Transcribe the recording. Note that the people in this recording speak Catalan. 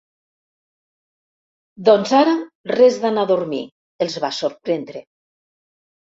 Doncs ara res d'anar a dormir —els va sorprendre—.